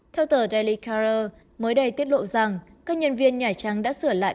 theo tờ daily caller mới đây tiết lộ rằng các nhân viên nhà trang đã sửa lại